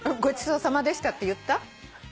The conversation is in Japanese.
ごちそうさまでしたって言った？